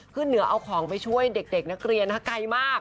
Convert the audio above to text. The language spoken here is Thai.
ขึ้นเหนือเอาของไปช่วยเด็กนักเรียนไกลมาก